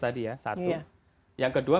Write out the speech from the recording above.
tadi ya satu yang kedua